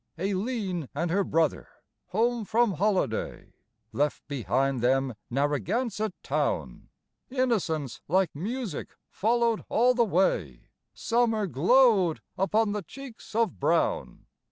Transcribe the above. Aileen and her brother, home from holiday, Left behind them Narragansett town; Innocence like music followed all the way, Summer glowed upon the cheeks of brown.